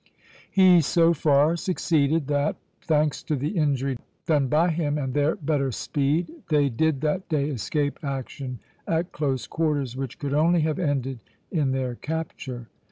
He so far succeeded that thanks to the injury done by him and their better speed they did that day escape action at close quarters, which could only have ended in their capture.